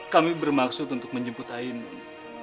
kami bermaksud untuk menjemput ainun